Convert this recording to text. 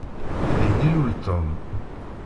Din i ilul Tom.